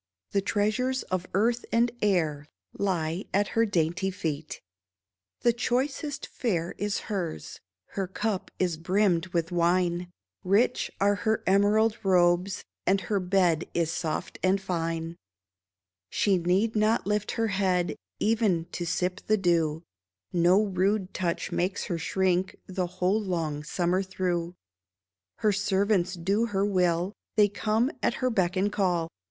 The treasures of earth and air Lie at her dainty feet ; The choicest fare is hers, Her cup is brimmed with wine ; Rich are her emerald robes, And her bed is soft and fine. She need not lift her head Even to sip the dew ; No rude touch makes her shrink The whole long summer through. Her servants do her will ; They come at her beck and call.